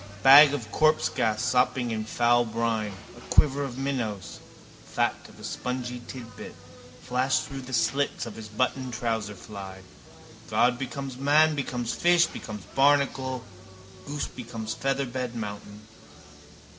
Bag of corpsegas sopping in foul brine. A quiver of minnows, fat of a spongy titbit, flash through the slits of his buttoned trouserfly. God becomes man becomes fish becomes barnacle goose becomes featherbed mountain.